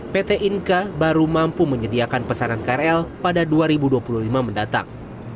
pt inka baru mampu menyediakan pesanan krl pada dua ribu dua puluh lima mendatang